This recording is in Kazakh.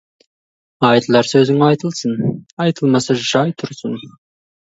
Айтылар сөзің айтылсын, айтылмаса, жай тұрсын.